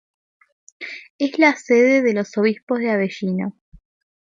Es la sede de los obispos de Avellino.